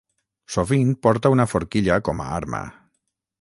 Sovint porta una forquilla com a arma.